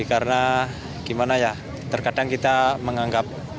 karena gimana ya terkadang kita menganggap